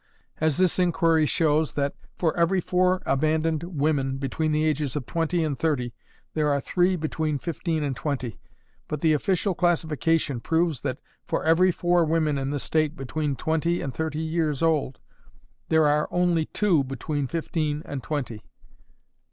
as this inquiry shows that for every four abandoned women between the ages of twenty and thirty there are three between fifteen and twenty, but the official classification proves that for every four women in the state between twenty and thirty years old, there are only two between fifteen and twenty.